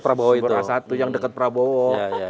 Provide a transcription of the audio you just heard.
prabowo itu satu yang dekat prabowo